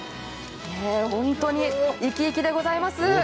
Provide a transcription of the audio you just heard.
本当に生き生きでございます。